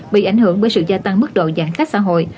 bị ảnh hưởng bởi sự gia tăng mức độ giãn cách xã hội